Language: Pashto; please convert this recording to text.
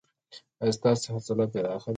ایا ستاسو حوصله پراخه ده؟